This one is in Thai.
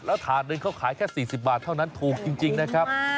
แล้วถาดหนึ่งเขาขายแค่๔๐บาทเท่านั้นถูกจริงนะครับ